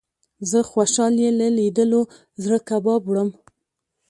زه خوشال يې له ليدلو زړه کباب وړم